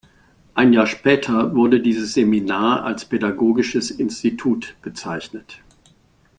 Ein Jahr später wurde dieses Seminar als Pädagogisches Institut bezeichnet.